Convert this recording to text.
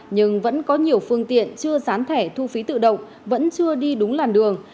nhưng vẫn có nhiều phương tiện chưa sán thẻ thu phí tự động vẫn chưa đi đúng làn đường